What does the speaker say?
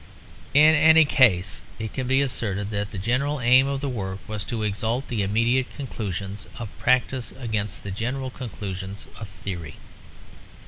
In any case it can be asserted that the general aim of the work was to exalt the immediate conclusions of practice against the general conclusions of theory.